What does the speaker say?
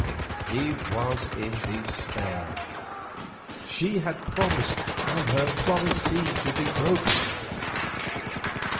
He was in despair. She had promised, and her promise seemed to be broken.